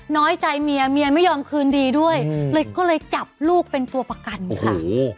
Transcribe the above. น้อยใจเมียเมียไม่ยอมคืนดีด้วยเลยก็เลยจับลูกเป็นตัวประกันค่ะ